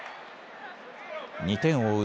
２点を追う